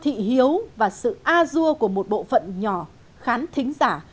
nhưng cũng là sự hiếu và sự a dua của một bộ phận nhỏ khán thính giả